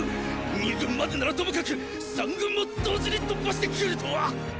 二軍までならともかく三軍も同時に突破してくるとは！